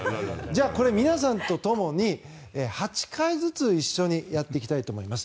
これを皆さんとともに８回ずつ一緒にやっていきたいと思います。